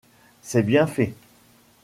C’est bien fait.